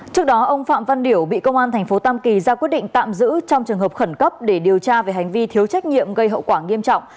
trước đó ông phạm văn điểu bị công an tp tam kỳ ra quyết định tạm giữ trong trường hợp khẩn cấp để điều tra về hành vi thiếu trách nhiệm gây hậu quả nghiêm trọng